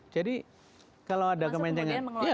jadi kalau ada kemenjangan